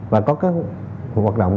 và có cái hoạt động